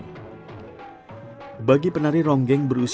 ini membuat rasbi kesulitan menemukan penerus ronggeng gunung